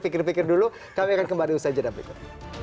pikir pikir dulu kami akan kembali usai jadwal berikut